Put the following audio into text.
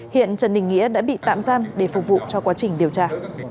hiện trần đình nghĩa đã bị tạm giam để phục vụ cho quá trình điều tra